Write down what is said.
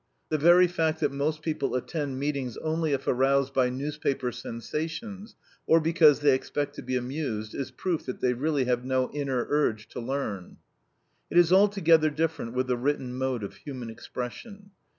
The very fact that most people attend meetings only if aroused by newspaper sensations, or because they expect to be amused, is proof that they really have no inner urge to learn. It is altogether different with the written mode of human expression.